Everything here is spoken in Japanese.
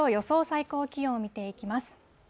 最高気温を見ていきます。